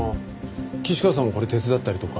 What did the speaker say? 岸川さんもこれ手伝ったりとか？